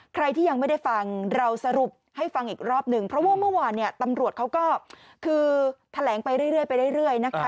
ใครที่ยังไม่ได้ฟังเราสรุปให้ฟังอีกรอบหนึ่งเพราะว่าเมื่อวานตำรวจเขาก็แถลงไปเรื่อย